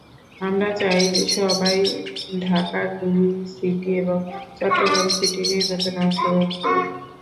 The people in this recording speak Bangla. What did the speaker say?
আমরা চাই, সবাই ঢাকার দুই সিটি এবং চট্টগ্রাম সিটির নির্বাচনে অংশগ্রহণ করুক।